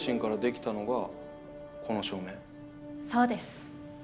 そうです。